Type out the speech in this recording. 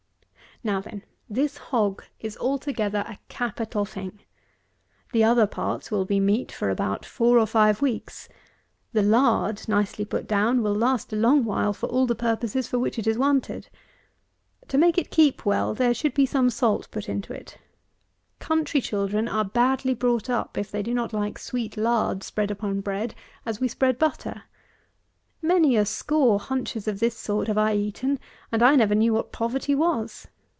152. Now, then, this hog is altogether a capital thing. The other parts will be meat for about four or five weeks. The lard, nicely put down, will last a long while for all the purposes for which it is wanted. To make it keep well there should be some salt put into it. Country children are badly brought up if they do not like sweet lard spread upon bread, as we spread butter. Many a score hunches of this sort have I eaten, and I never knew what poverty was.